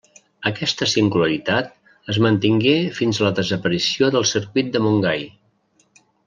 Aquesta singularitat es mantingué fins a la desaparició del Circuit de Montgai.